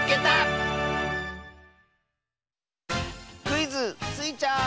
クイズ「スイちゃん」！